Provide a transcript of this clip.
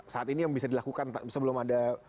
saat ini yang bisa dilakukan sebelum ada